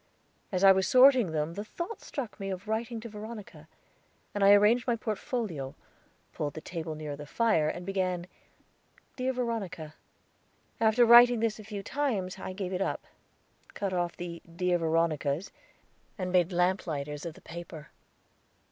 As I was sorting them the thought struck me of writing to Veronica, and I arranged my portfolio, pulled the table nearer the fire, and began, "Dear Veronica." After writing this a few times I gave it up, cut off the "Dear Veronicas," and made lamplighters of the paper.